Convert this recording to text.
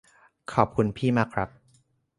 ขอบคุณพี่มากครับ